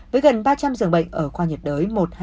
với gần ba trăm linh dường bệnh ở khoa nhiệt đới